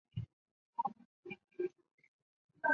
多彩榧螺为榧螺科榧螺属下的一个种。